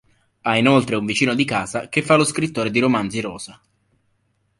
Ha inoltre un vicino di casa che fa lo scrittore di romanzi rosa.